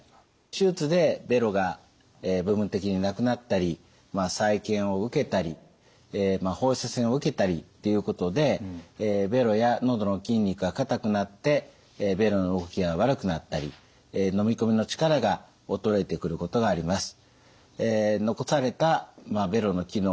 手術でべろが部分的になくなったり再建を受けたり放射線を受けたりっていうことでべろや喉の筋肉がかたくなってべろの動きが悪くなったりのみ込みの力が衰えてくることがあります。